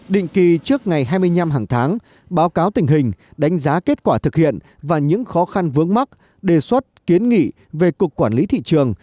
định kỳ trước ngày hai mươi năm hàng tháng báo cáo tình hình đánh giá kết quả thực hiện và những khó khăn vướng mắt đề xuất kiến nghị về cục quản lý thị trường